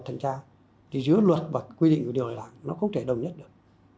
thành tra thì dưới luật và quy định của điều này là nó không thể đồng nhất được